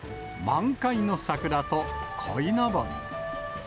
満開の桜とこいのぼり。